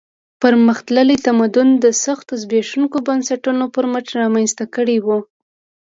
پرمختللی تمدن د سختو زبېښونکو بنسټونو پر مټ رامنځته کړی و.